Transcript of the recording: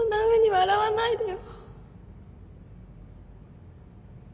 笑わないでよ。